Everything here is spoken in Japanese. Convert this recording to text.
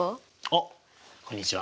あっこんにちは。